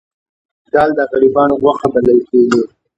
دال د غریبانو غوښه بلل کیږي